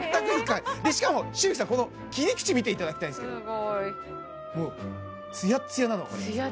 しかも紫吹さんこの切り口見ていただきたいんですけどもうツヤッツヤなの分かりますか？